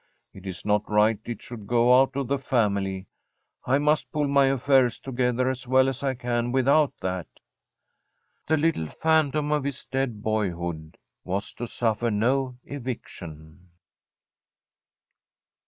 It is not right it should go out of the family. I must pull my affairs together as well as I can without that.' The little phantom of his dead boyhood was to suffer no eviction.